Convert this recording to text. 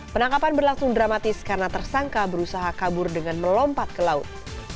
penangkapan berlangsung dramatis karena tersangka berusaha kabur dengan melompat ke laut